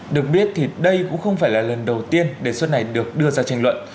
được biết thì đây cũng không phải là lần đầu tiên đề xuất này được đưa ra tranh luận